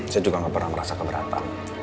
saya juga nggak pernah merasa keberatan